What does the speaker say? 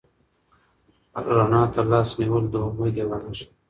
رڼا ته لاس نیول د امید یوه نښه ده.